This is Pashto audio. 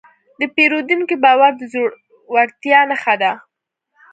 د پیرودونکي باور د زړورتیا نښه ده.